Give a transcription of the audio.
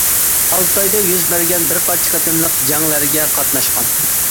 ئالتايدا يۈز بەرگەن بىر قانچە قېتىملىق جەڭلەرگە قاتناشقان.